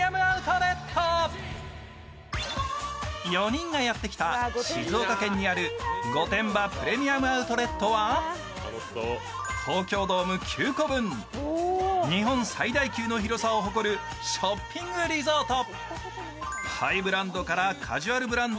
４人がやってきた静岡県にある御殿場プレミアム・アウトレットは東京ドーム９個分、日本最大級の広さを誇るショッピングリゾート。